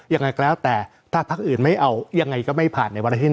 ยังไงก็แล้วแต่ถ้าพักอื่นไม่เอายังไงก็ไม่ผ่านในวันอาทิต